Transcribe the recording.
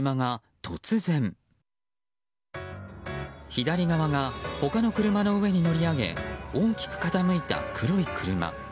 左側が他の車の上に乗り上げ大きく傾いた黒い車。